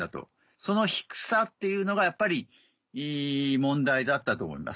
その低さっていうのがやっぱり問題だったと思います。